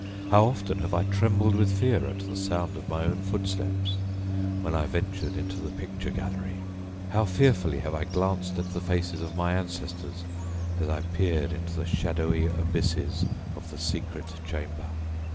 How often have I trembled with fear at the sound of my own footsteps when I ventured into the picture gallery! How fearfully have I glanced at the faces of my ancestors as I peered into the shadowy abysses of the 'secret chamber.'